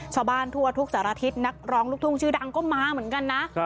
ชาวบ้านทั่วทุกสารทิศนักร้องลูกทุ่งชื่อดังก็มาเหมือนกันนะ